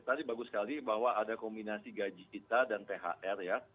tadi bagus sekali bahwa ada kombinasi gaji kita dan thr ya